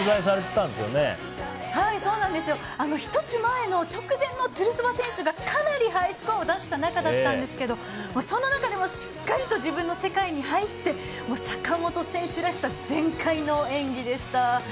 １つ前の直前のトゥルソワ選手がかなりハイスコアを出した中だったんですけどその中でもしっかりと自分の世界に入って坂本選手らしさ全開の演技でした。